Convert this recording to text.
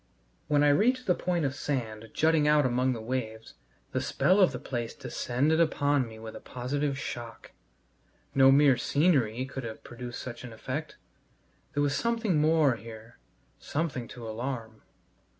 When I reached the point of sand jutting out among the waves, the spell of the place descended upon me with a positive shock. No mere "scenery" could have produced such an effect. There was something more here, something to alarm.